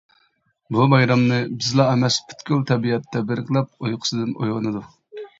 بۇ بايرامنى بىزلا ئەمەس پۈتكۈل تەبىئەت تەبرىكلەپ ئۇيقۇسىدىن ئويغىنىدۇ.